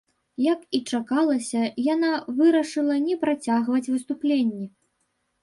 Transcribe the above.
Як і чакалася, яна вырашыла не працягваць выступленні.